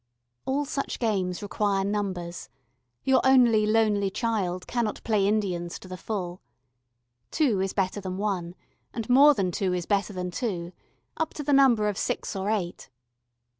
All such games require numbers; your only lonely child cannot play Indians to the full. Two is better than one and more than two is better than two, up to the number of six or eight.